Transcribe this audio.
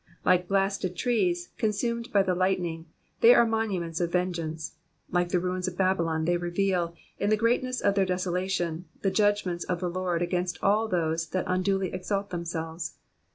Like blasted trees, consumed by the lightning, ihey are monuments of vengeance ; like the ruins of Babylon they reveal, in the treat ness of their desolation, the judgments of the Lord against all those that nduly exalt themselves.